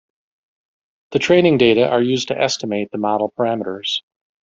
The training data are used to estimate the model parameters.